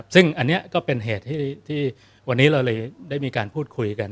ซึ่งอันนี้ก็เป็นเหตุที่วันนี้เราเลยได้มีการพูดคุยกัน